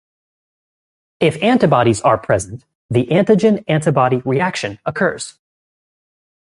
If antibodies are present, the antigen-antibody reaction occurs.